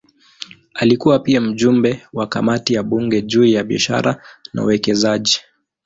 Alikuwa pia mjumbe wa kamati ya bunge juu ya biashara na uwekezaji.